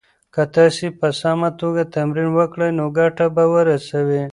که تاسي په سمه توګه تمرین وکړئ نو ګټه به ورسوي.